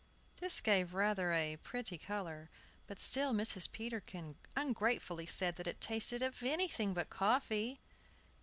This gave rather a pretty color; but still Mrs. Peterkin ungratefully said it tasted of anything but coffee.